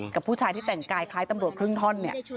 กับผู้ชายที่แต่งกายคล้ายตำรวจครึ่งท่อนเนี่ย